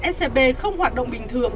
scb không hoạt động bình thường